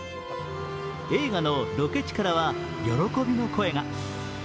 映画のロケ地からは喜びの声が。